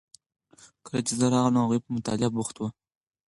کله چې زه راغلم هغوی په مطالعه بوخت وو.